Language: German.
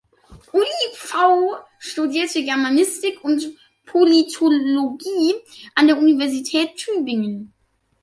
Ulli Pfau studierte Germanistik und Politologie an der Universität Tübingen.